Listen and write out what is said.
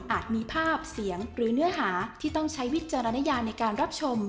มีภาพเสียงหรือเนื้อหาที่ต้องใช้วิจารณญาในการรับชม